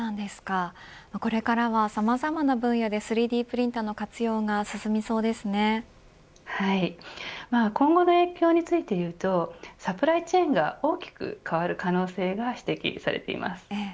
これからはさまざまな分野で３Ｄプリンターの活用が今後の影響について言うとサプライチェーンが大きく変わる可能性が指摘されています。